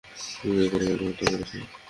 CIA কত মানুষকে হত্যা করেছে?